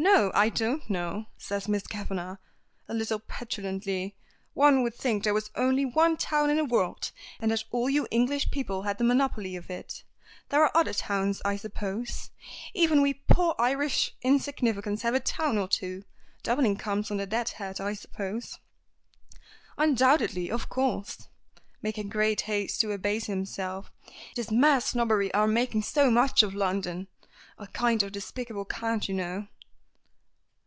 "No, I don't know," says Miss Kavanagh, a little petulantly. "One would think there was only one town in the world, and that all you English people had the monopoly of it. There are other towns, I suppose. Even we poor Irish insignificants have a town or two. Dublin comes under that head, I suppose?" "Undoubtedly. Of course," making great haste to abase himself. "It is mere snobbery our making so much of London. A kind of despicable cant, you know."